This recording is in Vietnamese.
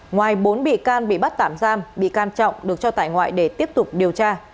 ngoài bốn bị can bị bắt tạm giam bị can trọng được cho tại ngoại để tiếp tục điều tra